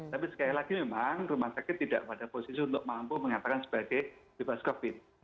tapi sekali lagi memang rumah sakit tidak pada posisi untuk mampu mengatakan sebagai bebas covid